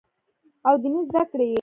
او ديني زدکړې ئې